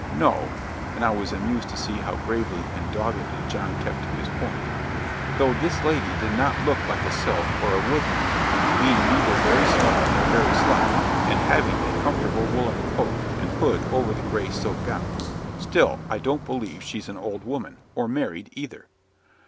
No," and I was amused to see how gravely and doggedly John kept to his point "though this lady did not look like a sylph or a wood nymph being neither very small nor very slight, and having a comfortable woollen cloak and hood over the grey silk gown still, I don't believe she's an old woman, or married either."